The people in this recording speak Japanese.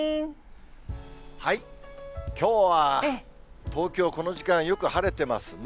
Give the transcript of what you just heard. きょうは東京、この時間、よく晴れてますね。